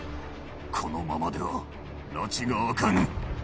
このままでは埒が明かぬ。